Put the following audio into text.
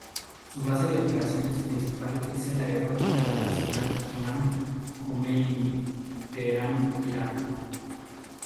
Su base de operaciones principal es el Aeropuerto Internacional Imán Jomeini, Teherán, Irán.